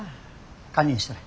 堪忍したれ。